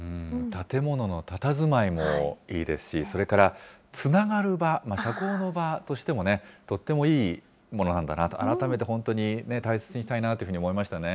建物のたたずまいもいいですし、それからつながる場、社交の場としてもね、とってもいいものなんだなと、改めて本当に大切にしたいなというふうに思いましたね。